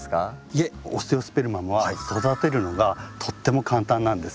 いえオステオスペルマムは育てるのがとっても簡単なんです。